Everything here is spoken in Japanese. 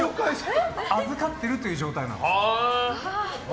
預かってるという状態で。